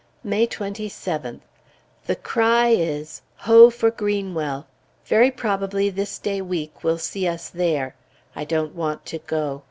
May 27th. The cry is "Ho! for Greenwell!" Very probably this day week will see us there. I don't want to go.